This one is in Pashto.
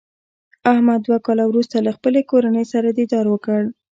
احمد دوه کاله ورسته له خپلې کورنۍ سره دیدار وکړ.